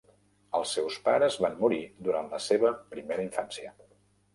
Els seus pares van morir durant la seva primera infància.